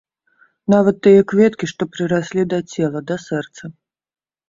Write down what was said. Нават тыя кветкі, што прыраслі да цела, да сэрца.